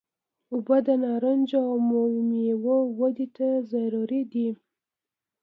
اوبه د نارنجو او میوو ودې ته ضروري دي.